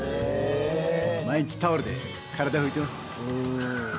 毎日タオルで体を拭いてます。